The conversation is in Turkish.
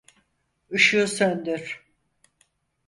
Işığı söndür.